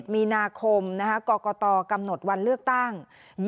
๒๑มีนกรกกำหนดวันเลือกตั้ง